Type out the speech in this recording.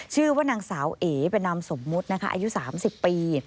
ชื่อว่านางสาวเอ๋เป็นนามสมมุตินะคะอายุ๓๐ปี